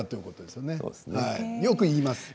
よく言いますね。